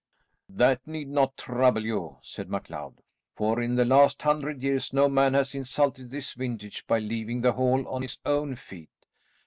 "That need not trouble you," said MacLeod, "for in the last hundred years no man has insulted this vintage by leaving the hall on his own feet.